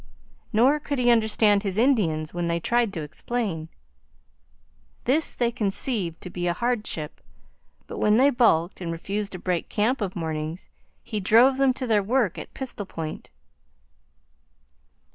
Nor could he understand his Indians when they tried to explain. This they conceived to be a hardship, but when they balked and refused to break camp of mornings, he drove them to their work at pistol point.